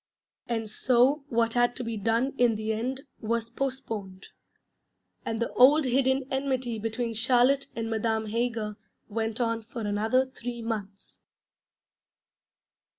_' And so what had to be done in the end was postponed: and the old hidden enmity between Charlotte and Madame Heger went on for another three months.